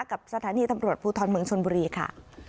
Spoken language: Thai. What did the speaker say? กับสถานีตำรวจภูทรเมืองชนบุรีค่ะ